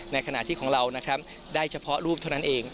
ในขณะที่ของเรานะครับได้เฉพาะรูปเท่านั้นเอง